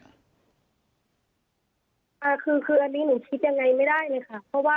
คืออันนี้หนูคิดยังไงไม่ได้เลยค่ะ